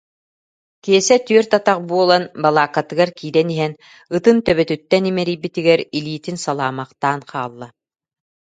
Киэсэ түөрт атах буолан балааккатыгар киирэн иһэн, ытын төбөтүттэн имэрийбитигэр илиитин салаамахтаан хаалла